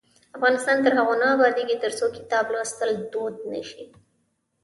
افغانستان تر هغو نه ابادیږي، ترڅو کتاب لوستل دود نشي.